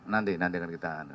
nanti nanti akan kita ya itu ada